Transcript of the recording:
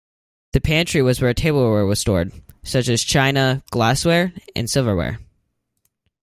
The pantry was where tableware was stored, such as china, glassware, and silverware.